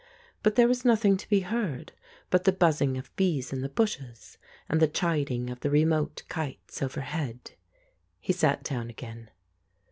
But there was nothing to be heard but the buzzing of bees in the bushes and the chiding of the remote kites overhead. He sat down again.